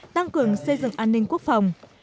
tăng cường xây dựng an ninh quốc phòng